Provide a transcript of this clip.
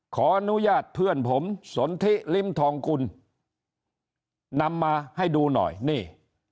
ขออนุญาตเพื่อนผมสนทิลิ้มทองกุลนำมาให้ดูหน่อยนี่